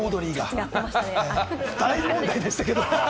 大問題でしたよ。